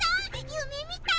ゆめみたい！